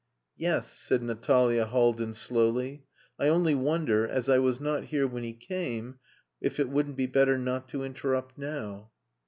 "Yes," said Natalia Haldin slowly. "I only wonder, as I was not here when he came, if it wouldn't be better not to interrupt now."